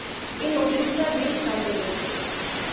এই ওষুধটা বেশ কাজে দেবে।